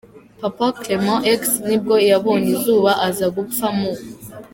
Papa Clement X nibwo yabonye izuba aza gupfa mu .